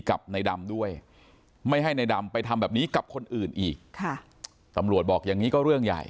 กับในดำด้วยไม่ให้ในดำไปทำแบบนี้กับคนอื่นอีกค่ะตำรวจบอกอย่างนี้ก็เรื่องใหญ่